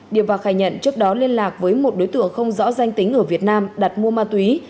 điệp và khai nhận trước đó liên lạc với một đối tượng không rõ danh tính ở việt nam đặt mua ma túy